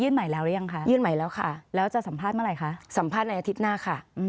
ใหม่แล้วหรือยังคะยื่นใหม่แล้วค่ะแล้วจะสัมภาษณ์เมื่อไหร่คะสัมภาษณ์ในอาทิตย์หน้าค่ะ